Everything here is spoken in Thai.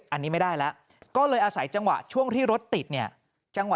อันนี้ไม่ได้แล้วก็เลยอาศัยจังหวะช่วงที่รถติดเนี่ยจังหวะ